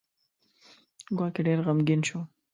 ګواکې ډېر غمګین شو.